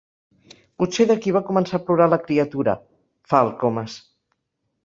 Potser d'aquí va començar a plorar la criatura —fa el Comas.